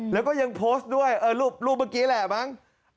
แล้วก็ยังโพสต์ด้วยรูปเมื่อกี้แหละมั้ง